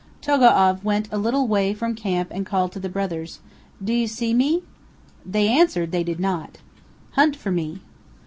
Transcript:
Togo'av went a little way from camp and called to the brothers: "Do you see me!" They answered they did not. "Hunt for me."